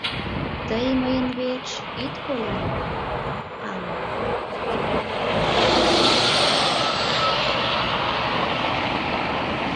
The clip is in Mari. — Тый мыйын верч ит коляне, Анна.